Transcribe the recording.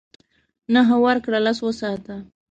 نهه ورکړه لس وساته .